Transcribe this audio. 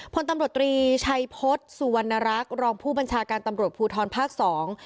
พลตำรวจตรีชัยพฤษสุวรรณรักษ์รองผู้บัญชาการตำรวจภูทรภาคสอง